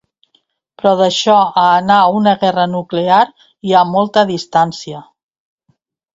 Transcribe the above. Però d’això a anar a una guerra nuclear hi ha molta distància.